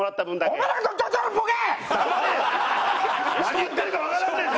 何言ってるかわからんねん！